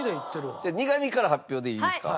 じゃあ苦味から発表でいいですか？